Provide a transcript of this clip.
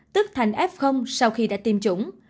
tức thành f sau khi đã tiêm chủng